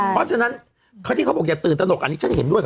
เพราะฉะนั้นข้อที่เขาบอกอย่าตื่นตนก